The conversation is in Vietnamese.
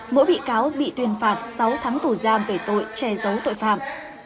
mỗi bị cáo bị tuyên phạt sáu tháng tù giam về tội che giấu tội phạm